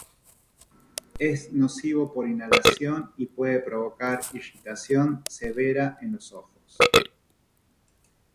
Es nocivo por inhalación y puede provocar irritación severa en los ojos.